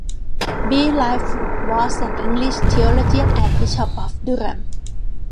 B. Lightfoot, was an English theologian and Bishop of Durham.